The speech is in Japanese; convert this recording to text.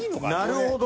なるほど。